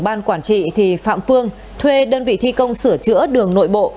ban quản trị thì phạm phương thuê đơn vị thi công sửa chữa đường nội bộ